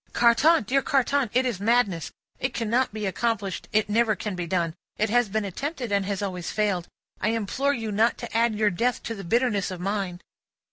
"Carton! Dear Carton! It is madness. It cannot be accomplished, it never can be done, it has been attempted, and has always failed. I implore you not to add your death to the bitterness of mine."